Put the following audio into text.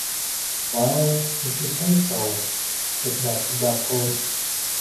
"Well, if you say so," said Gussie doubtfully.